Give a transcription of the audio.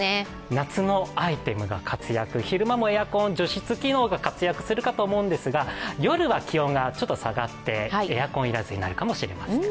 夏のアイテムが活躍、昼間もエアコン、除湿機能が活躍するかと思うんですが夜は気温がちょっと下がって、エアコン要らずになるかもしれません。